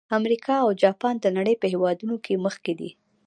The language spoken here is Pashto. امریکا او جاپان د نړۍ په هېوادونو کې مخکې دي.